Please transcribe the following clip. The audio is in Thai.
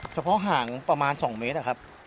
เฉพาะห่างประมาณ๒เมตร